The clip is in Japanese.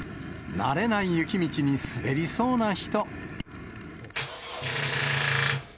慣れない雪道に滑りそうな人。